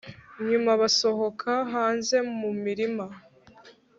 Nyuma basohoka hanze mumirima